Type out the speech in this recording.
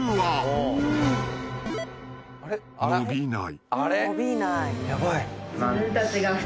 ［伸びない］